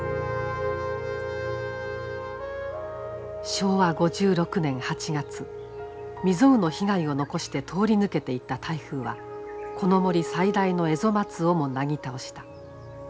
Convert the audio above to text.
昭和５６年８月未曽有の被害を残して通り抜けていった台風はこの森最大のエゾマツをもなぎ倒した。